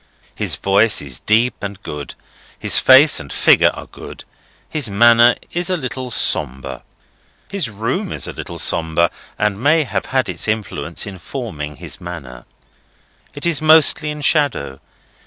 His voice is deep and good, his face and figure are good, his manner is a little sombre. His room is a little sombre, and may have had its influence in forming his manner. It is mostly in shadow.